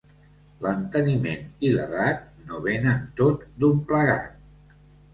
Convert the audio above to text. L'enteniment i l'edat no venen tot d'un plegat.